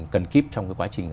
cần kíp trong cái quá trình